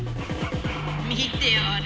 見ておれ